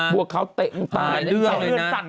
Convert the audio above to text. บวกเขาเตะอยู่ตอนนั้น